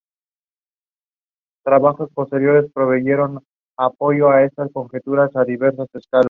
Regularmente trabajaba varios sets por noche.